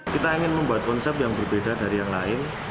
kita ingin membuat konsep yang berbeda dari yang lain